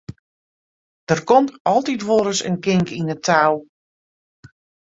Der komt altyd wolris in kink yn 't tou.